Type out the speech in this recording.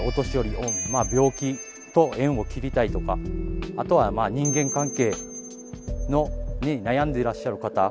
病気と縁を切りたいとかあとは人間関係に悩んでいらっしゃる方。